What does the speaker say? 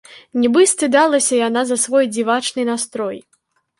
Нібы стыдалася яна за свой дзівачны настрой.